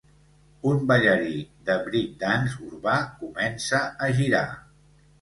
Un ballarí de break dance urbà comença a girar.